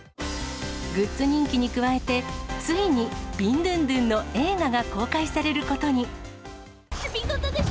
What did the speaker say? グッズ人気に加えて、ついにビンドゥンドゥンの映画が公開されることに。